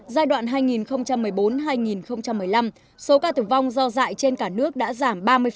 giai đoạn hai nghìn một mươi bốn hai nghìn một mươi năm số ca tử vong do dạy trên cả nước đã giảm ba mươi